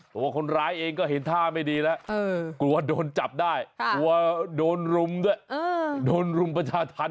ตัวคนร้ายเองก็เห็นท่าไม่ดีแล้วกลัวโดนจับได้กลัวโดนรุมด้วยโดนรุมประชาธรรม